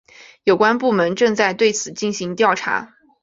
有关部门正在对此进行调查。